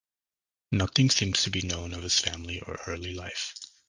Nothing seems to be known of his family or early life.